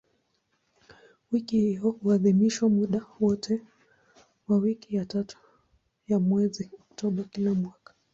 Wiki hiyo huadhimishwa muda wote wa wiki ya tatu ya mwezi Oktoba kila mwaka.